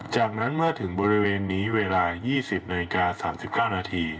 จากนั้นเมื่อถึงบริเวณนี้เวลา๒๐นาฬิกา๓๙นาที